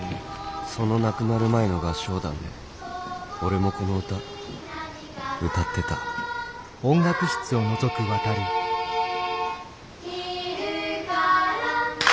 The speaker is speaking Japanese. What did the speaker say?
そのなくなる前の合唱団で俺もこの歌歌ってた「まっているから」